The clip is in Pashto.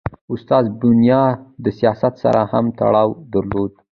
استاد بینوا د سیاست سره هم تړاو درلود.